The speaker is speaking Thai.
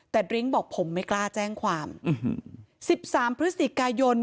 แต่ดริ้งบอกผมไม่กล้าแจ้งความ๑๓พฤศจิกายน